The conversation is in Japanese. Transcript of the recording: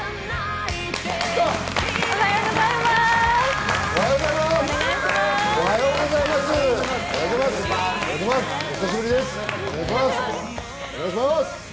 おはようございます。